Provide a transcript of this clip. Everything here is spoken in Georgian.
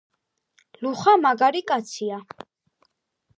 ლუხა მაგარი კაცია